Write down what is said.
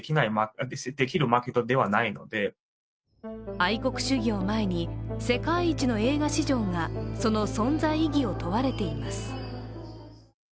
愛国主義を前に、世界一の映画市場がその存在意義を問われています。